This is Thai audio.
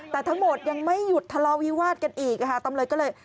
แต่ทั้งหมดยังไม่หยุดทะเลาวิวาสกันอีกนะคะ